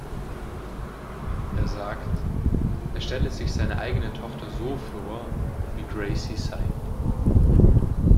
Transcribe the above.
Er sagt, er stelle sich seine eigene Tochter so vor, wie Gracie sei.